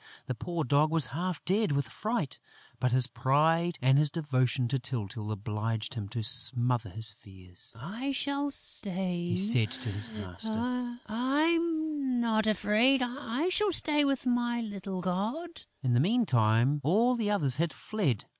The poor Dog was half dead with fright, but his pride and his devotion to Tyltyl obliged him to smother his fears: "I shall stay," he said to his master, "I'm not afraid! I shall stay with my little god!" In the meantime, all the others had fled.